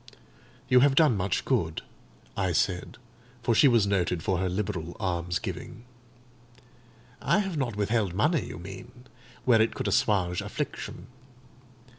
"You have done much good," I said; for she was noted for her liberal almsgiving. "I have not withheld money, you mean, where it could assuage affliction.